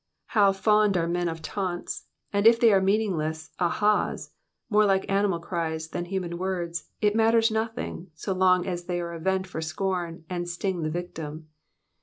How fond men are of taunts, and if they are mean ingless ahas, more like animal cries than human words, it matters nothing, so long as they are a vent for scorn and sting the victim.